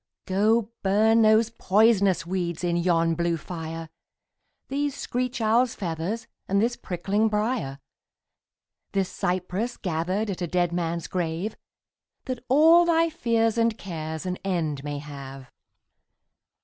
Go burn those poisonous weeds in yon blue fire, These screech owl's feathers and this prickling briar, This cypress gathered at a dead man's grave, That all thy fears and cares an end may have.